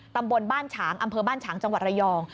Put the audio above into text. ตำบลบ้านฉางอำเภอบ้านฉางจังหวัดระยอง